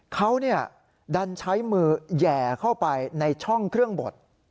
เขาดันใช้มือแห่เข้าไปในช่องเครื่องบด